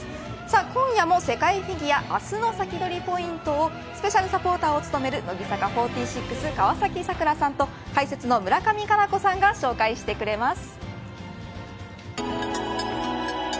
今夜も世界フィギュア明日のサキドリポイントをスペシャルサポータを務める乃木坂４６の川崎桜さん解説の村上佳菜子さんがお伝えします。